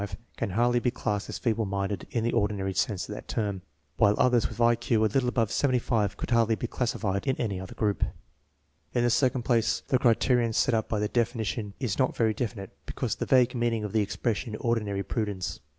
INTELLIGENCE QUOTIENT SIGNIFICANCE 81 hardly be classed as feeble minded in the ordinary sense of the term, while others with I Q a little above 75 could hardly be classified in any other group. In the second place, the criterion set up by the definition is not very definite because of the vague meaning of the expression " ordinary prudence."